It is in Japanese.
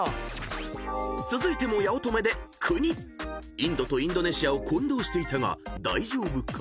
［インドとインドネシアを混同していたが大丈夫か？］